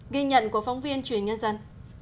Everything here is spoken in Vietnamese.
ghi nhận của phóng viên truyền nhân dân